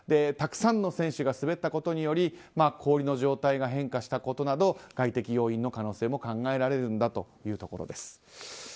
たくさんの選手が滑ったことにより氷の状態が変化したことなど外的要因の可能性も考えられるんだというところです。